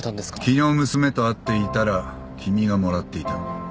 昨日娘と会っていたら君がもらっていた。